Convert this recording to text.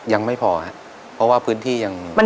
ยังไม่พอครับเพราะว่าพื้นที่ยังน้อยเกินไป